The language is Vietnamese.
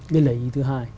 nên là ý thứ hai